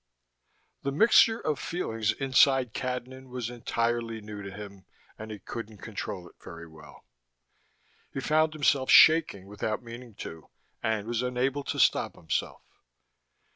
14 The mixture of feelings inside Cadnan was entirely new to him, and he couldn't control it very well. He found himself shaking without meaning to, and was unable to stop himself.